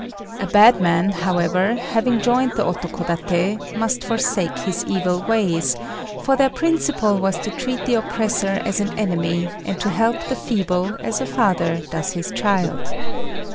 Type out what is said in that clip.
A bad man, however, having joined the Otokodaté must forsake his evil ways; for their principle was to treat the oppressor as an enemy, and to help the feeble as a father does his child.